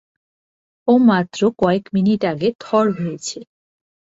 ও মাত্র কয়কে মিনিট আগে থর হয়েছে।